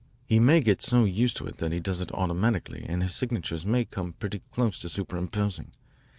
He may get so used to it that he does it automatically and his signatures may come pretty close to superimposing.